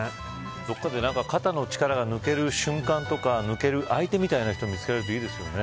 どこかで肩の力が抜ける瞬間とか抜ける相手が見つかるといいですよね。